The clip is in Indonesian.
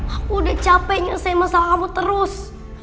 aku udah capek menyelesaikan masalah kamu terus